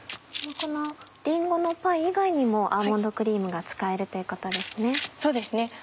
このりんごのパイ以外にもアーモンドクリームが使えるということですね。